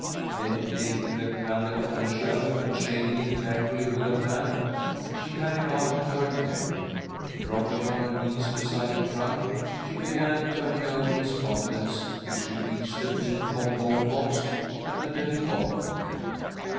Then taking the candle from the shelf, and shading it carefully with her hand, she hurried out to her tent. Dropping on her knees beside her trunk, she began turning over its contents till she reached a pink bonbon box at the very bottom.